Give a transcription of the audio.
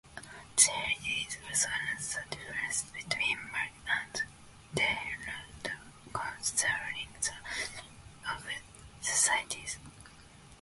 There is also another difference between Marx and Dahrendorf concerning the structure of societies.